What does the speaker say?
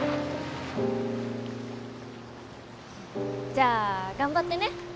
じゃあ頑張ってね！